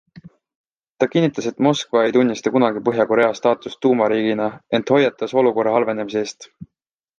Ta kinnitas, et Moskva ei tunnista kunagi Põhja-Korea staatust tuumariigina, ent hoiatas olukorra halvendamise eest.